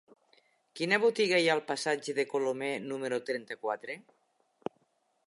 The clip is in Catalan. Quina botiga hi ha al passatge de Colomer número trenta-quatre?